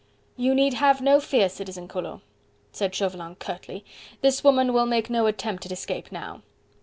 "You need have no fear, Citizen Collot," said Chauvelin curtly, "this woman will make no attempt at escape now."